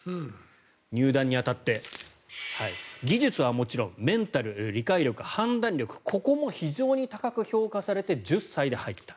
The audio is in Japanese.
入団に当たって技術はもちろんメンタル、理解力、判断力ここも非常に高く評価されて１０歳で入った。